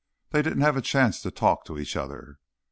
"They didn't have a chance to talk to each other."